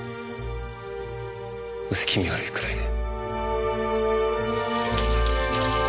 薄気味悪いくらいで。